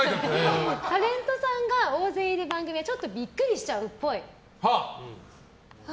タレントさんが大勢いる番組はちょっとビックリしちゃうっぽい。